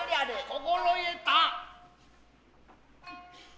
心得た。